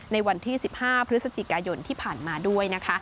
ในวันที่๑๕พฤศจิกายนที่ผ่านมาด้วยนะคะ